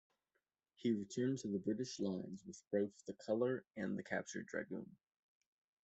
He returned to the British lines with both the colour and the captured dragoon.